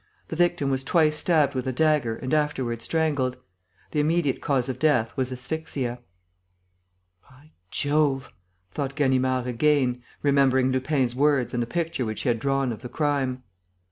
The victim was twice stabbed with a dagger and afterward strangled. The immediate cause of death was asphyxia." "By Jove!" thought Ganimard again, remembering Lupin's words and the picture which he had drawn of the crime.